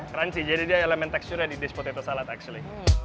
crunchy jadi dia elemen teksturnya di despot atau salad actually